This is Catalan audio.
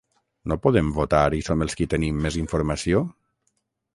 No podem votar i som els qui tenim més informació?